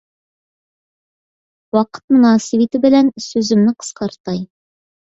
ۋاقىت مۇناسىۋىتى بىلەن سۆزۈمنى قىسقارتاي.